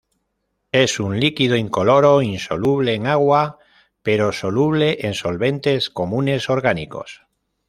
Es un líquido incoloro insoluble en agua pero soluble en solventes comunes orgánicos.